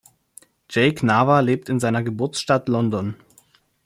Jake Nava lebt in seiner Geburtsstadt London.